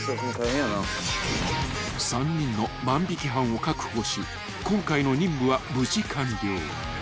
［３人の万引犯を確保し今回の任務は無事完了］